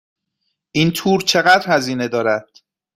این تور چقدر هزینه دارد؟